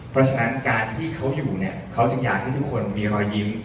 เพราะฉะนั้นการที่เขาอยู่เนี่ยเขาจึงอยากให้ทุกคนมีรอยยิ้ม